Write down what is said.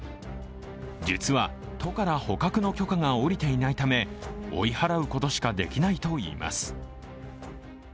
実は、都から捕獲の許可が下りていないため追い払うことしかできないといいます。